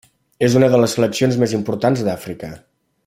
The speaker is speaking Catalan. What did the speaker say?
És una de les seleccions més importants d'Àfrica.